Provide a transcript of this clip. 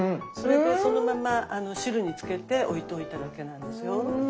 それでそのまま汁につけて置いといただけなんですよ。